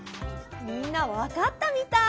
みんなわかったみたい！